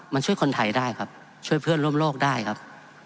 มันช่วยคนไทยได้ครับช่วยเพื่อนร่วมโลกได้ครับ